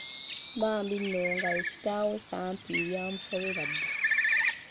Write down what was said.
Bambi nno nga ye kitaawe, Kampi byamusobera dda.